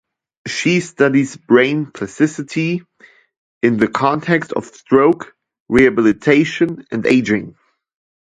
She studies brain plasticity in the context of stroke rehabilitation and aging.